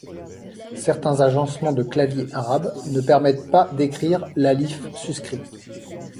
Certains agencements de clavier arabes ne permettent pas d’écrire l’alif suscrit.